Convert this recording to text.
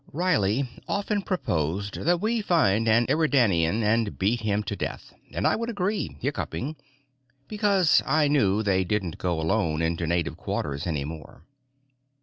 _ Riley often proposed that we find an Eridanian and beat him to death, and I would agree, hiccupping, because I knew they didn't go alone into native quarters any more.